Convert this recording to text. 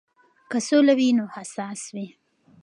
که سوله وي نو حساس وي.